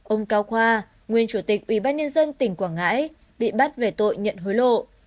ông cao khoa nguyên chủ tịch ubnd tỉnh quảng ngãi bị bắt về tội nhận hối lộ